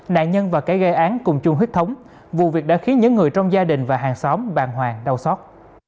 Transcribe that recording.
nạn nhân và kẻ gây án cùng chung huyết thống vụ việc đã khiến những người trong gia đình và hàng xóm bàng hoàng đau xót